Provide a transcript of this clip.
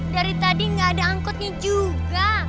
dari tadi nggak ada angkotnya juga